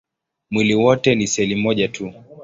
Mwili wote ni seli moja tu.